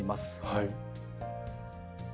はい。